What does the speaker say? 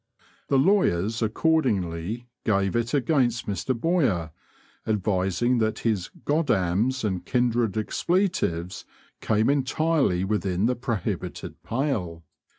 The lawyers accordingly gave it against Mr. Boyer, advising that his "goddams" and kindred expletives came entirely within the prohibited pale.